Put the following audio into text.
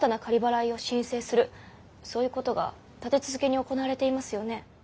そういうことが立て続けに行われていますよね？